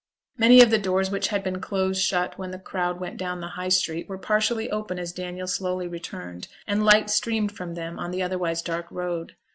Many of the doors which had been close shut when the crowd went down the High Street, were partially open as Daniel slowly returned; and light streamed from them on the otherwise dark road.